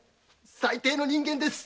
最低の人間です